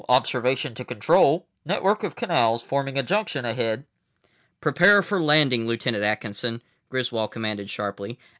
Observation to Control. Network of canals forming a junction ahead." "Prepare for landing, Lieutenant Atkinson," Griswold commanded sharply.